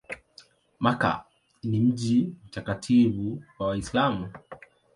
Makka ni mji mtakatifu wa Uislamu.